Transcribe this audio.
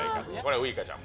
ウイカちゃんも？